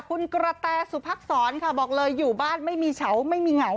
คุณกระแตสุพักษรค่ะบอกเลยอยู่บ้านไม่มีเฉาไม่มีเหงา